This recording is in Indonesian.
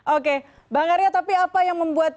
oke bang arya tapi apa yang membuat